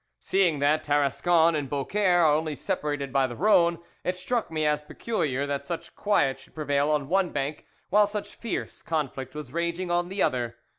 Seeing that Tarascon and Beaucaire are only separated by the Rhone, it struck me as peculiar that such quiet should prevail on one bank, while such fierce conflict was raging on the other.